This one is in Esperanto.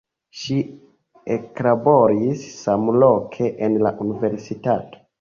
Ŝi eklaboris samloke en la universitato.